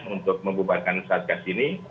untuk mengubahkan satgas ini